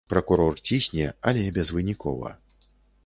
Пракурор цісне, але безвынікова.